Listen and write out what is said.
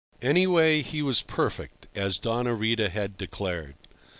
Anyway, he was perfect, as Doña Rita had declared.